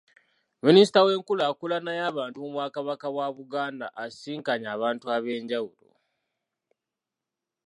Minisita w'enkulaakulana y'abantu mu Bwakabaka bwa Buganda asisinkanye abantu ab'enjawulo.